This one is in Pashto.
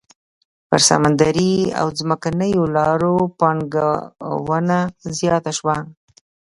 پر سمندري او ځمکنيو لارو پانګونه زیاته شوه.